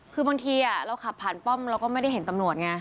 คือบางทีเราขับผ่านป้อมเราก็ไม่ได้เห็นตำรวจไง